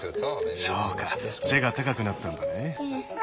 そうか背が高くなったんだね。